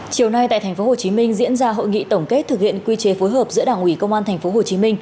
chiều nay tại tp hcm diễn ra hội nghị tổng kết thực hiện quy chế phối hợp giữa đảng ủy công an tp hcm